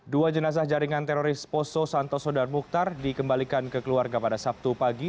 dua jenazah jaringan teroris poso santoso dan mukhtar dikembalikan ke keluarga pada sabtu pagi